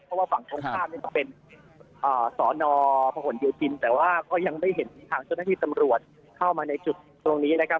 เพราะว่าฝั่งตรงข้ามเนี่ยก็เป็นสอนอพหนโยธินแต่ว่าก็ยังไม่เห็นทางเจ้าหน้าที่ตำรวจเข้ามาในจุดตรงนี้นะครับ